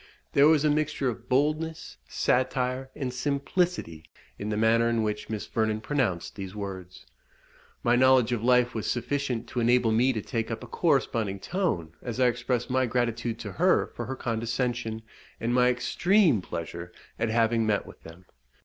There was a mixture of boldness, satire, and simplicity in the manner in which Miss Vernon pronounced these words. My knowledge of life was sufficient to enable me to take up a corresponding tone as I expressed my gratitude to her for her condescension, and my extreme pleasure at having met with them.